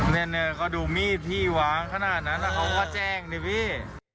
เนี่ยก็ดูมีดพี่วางขนาดนั้นแล้วเขาก็แจ้งนี่พี่